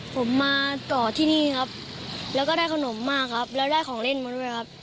ผมมาต่อที่นี่ครับแล้วก็ได้ขนมมากครับแล้วได้ของเล่นมาด้วยครับ